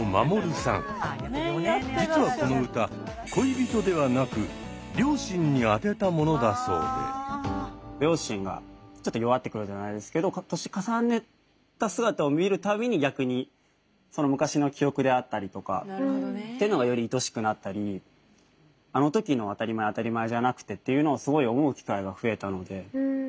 実はこの歌恋人ではなく両親がちょっと弱ってくるじゃないですけど年を重ねた姿を見るたびに逆に昔の記憶であったりとかっていうのがよりいとおしくなったりあの時の当たり前は当たり前じゃなくてっていうのをすごい思う機会が増えたので。